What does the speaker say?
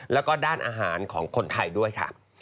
แล้วก็ด้านอาหารของคนไทยด้วยค่ะ